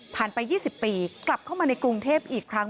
ไป๒๐ปีกลับเข้ามาในกรุงเทพอีกครั้ง